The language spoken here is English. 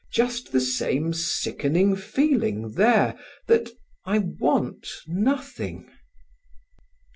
"Just the same sickening feeling there that I want nothing."